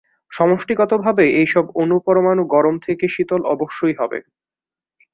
সমষ্টিগতভাবে এই সব অণুপরমাণু গরম থেকে শীতল অবশ্যই হবে।